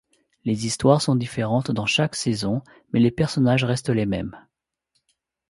Les histoires sont différentes dans chaque saison mais les personnages restent les mêmes.